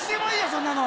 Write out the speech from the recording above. そんなの！